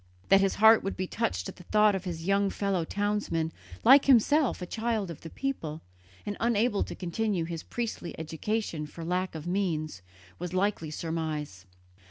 That his heart would be touched at the thought of his young fellow townsman, like himself a child of the people, and unable to continue his priestly education for lack of means, was a likely surmise.